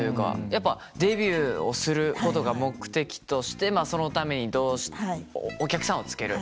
やっぱデビューをすることが目的としてまあそのためにお客さんをつける。